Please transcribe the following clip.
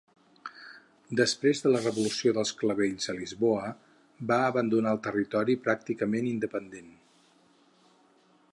Després de la Revolució dels clavells a Lisboa, va abandonar el territori pràcticament independent.